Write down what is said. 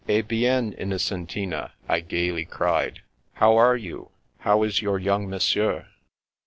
" Eh bien, Innocentina !" I gaily cried. " How are you? How is your young Monsieur?"